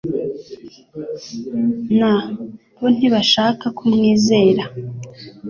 na bo ntibashaka kumwizera.